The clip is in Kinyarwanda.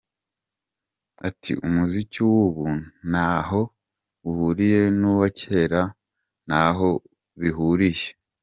Ati “Umuziki w’ubu ntaho uhuriye n’uwa kera, ntaho bihuriye.